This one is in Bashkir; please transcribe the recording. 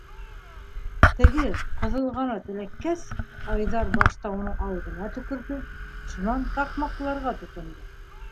Теге ҡыҙылғанат эләккәс, Айҙар башта уның ауыҙына төкөрҙө, шунан таҡмаҡларға тотондо.